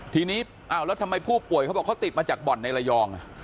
ทีนี้ทำไมผู้ป่วยเขาติดมาจากบ่อนในระยอง